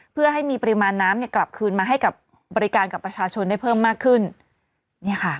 เพื่อให้มีปริมาณน้ำเนี่ยกลับคืนมาให้กับบริการกับประชาชนได้เพิ่มมากขึ้นเนี่ยค่ะ